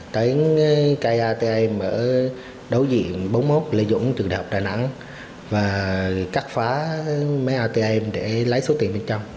đến cây atm ở đối diện bốn mươi một lê duẩn trường đại học đà nẵng và cắt phá máy atm để lấy số tiền bên trong